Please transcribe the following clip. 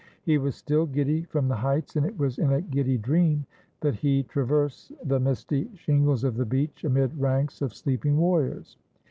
He was still giddy from the heights, and it was in a giddy dream that he traversed the misty shingles of the beach amid ranks of sleeping warriors.